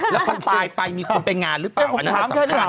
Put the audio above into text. แล้วพอตายไปมีคนไปงานหรือเปล่า